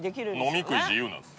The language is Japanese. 飲み食い自由なんです